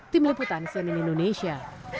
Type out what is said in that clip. tim liputan semen indonesia